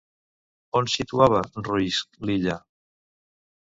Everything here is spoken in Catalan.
On situava Ruysch l'illa?